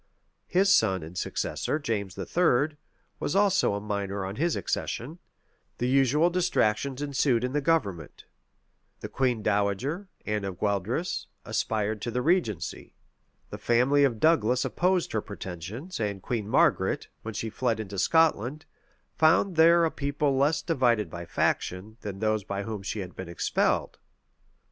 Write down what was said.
His son and successor, James III., was also a minor on his accession: the usual distractions ensued in the government: the queen dowager, Anne of Gueldres, aspired to the regency: the family of Douglas opposed her pretensions: and Queen Margaret, when she fled into Scotland, found there a people little less divided by faction, than those by whom she had been expelled.